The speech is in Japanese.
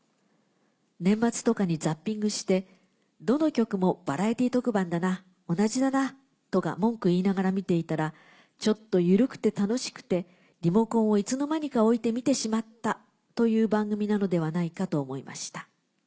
「年末とかにザッピングして『どの局もバラエティー特番だな同じだな』とか文句言いながら見ていたらちょっと緩くて楽しくてリモコンをいつの間にか置いて見てしまったという番組なのではないかと思いました。